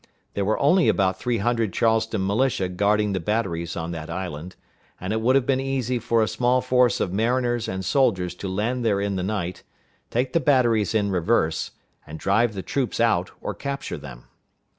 There were only about three hundred Charleston militia guarding the batteries on that island; and it would have been easy for a small force of mariners and soldiers to land there in the night, take the batteries in reverse, and drive the troops out, or capture them.